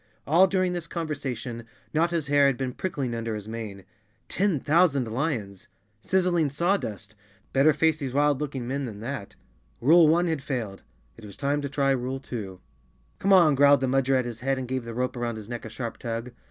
v All during this conversation Notta's hair had been prickling under his mane. Ten thousand lions! Siz¬ zling sawdust! Better face these wild looking men 44 Chapter Three than that. Rule one had failed, it was time to try rule two. " Come on," growled the Mudger at his head and gave the rope around his neck a sharp tug.